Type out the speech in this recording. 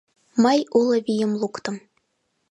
Мый уло вийым луктым.